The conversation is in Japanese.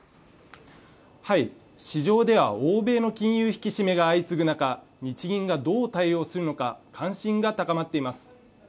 市場では欧米の金融引き締めが相次ぐ中日銀がどう対応するのか関心が高まっています